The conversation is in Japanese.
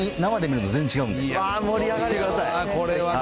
盛り上がってください。